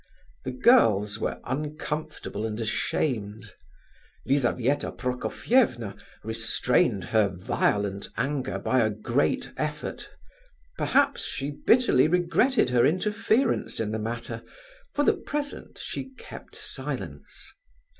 The girls were uncomfortable and ashamed. Lizabetha Prokofievna restrained her violent anger by a great effort; perhaps she bitterly regretted her interference in the matter; for the present she kept silence.